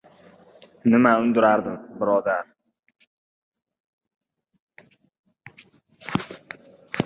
— Nima undirardim, birodar...